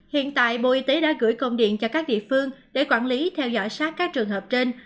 hiện tại bộ y tế đã gửi công điện cho các địa phương để quản lý theo dõi sát các trường hợp trên